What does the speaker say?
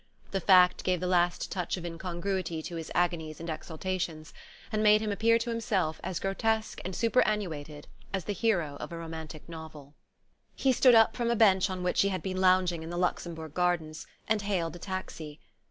The fact gave the last touch of incongruity to his agonies and exaltations, and made him appear to himself as grotesque and superannuated as the hero of a romantic novel. He stood up from a bench on which he had been lounging in the Luxembourg gardens, and hailed a taxi.